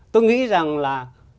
tôi nghĩ rằng là